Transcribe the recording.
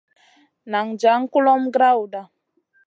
Nan jaŋ kulomʼma grawda.